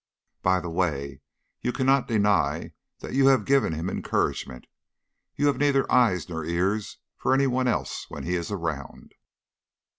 "By the way, you cannot deny that you have given him encouragement; you have neither eyes nor ears for any one else when he is round."